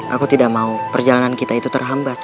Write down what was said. aku tidak mau perjalanan kita itu terhambat